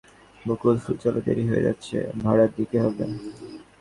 বকুলফুল, চলো দেরি হয়ে যাচ্ছে, ভাঁড়ার দিতে হবে।